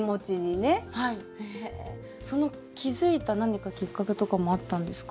へえその気付いた何かきっかけとかもあったんですか？